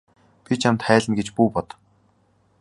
Би чамд хайлна гэж бүү бод.